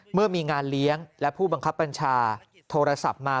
เมื่อมีงานเลี้ยงและผู้บังคับบัญชาโทรศัพท์มา